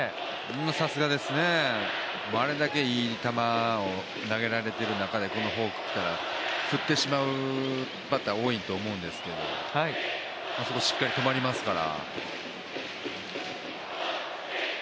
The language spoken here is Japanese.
さすがですね、あれだけいい球を投げられている中でこのフォークきたら、振ってしまうバッター多いと思うんですけどあそこをしっかり止まりますから。